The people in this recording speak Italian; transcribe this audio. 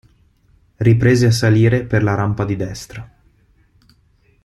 Riprese a salire per la rampa di destra.